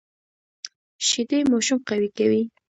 شیدې ماشوم قوي کوي